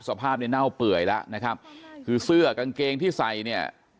สภาพเนี่ยเน่าเปื่อยแล้วนะครับคือเสื้อกางเกงที่ใส่เนี่ย